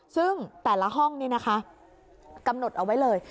ซึ่งแต่ละห้องนี้นะคะกำหนดเอาไว้เลย